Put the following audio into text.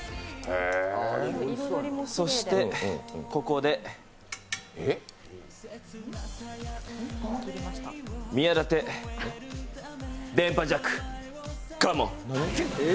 そしてここで宮舘、電波ジャック、カモーン。